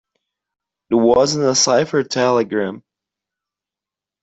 It wasn't a cipher telegram.